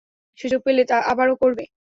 সুযোগ পেলে আবারও করবে!